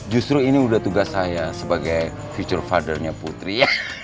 justru ini udah tugas saya sebagai future father nya putri